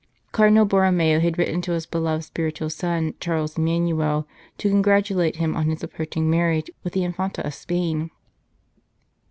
Cardinal Borromeo had written to his beloved spiritual son, Charles Emmanuel, to congratulate him on his approaching marriage with the Infanta of Spain.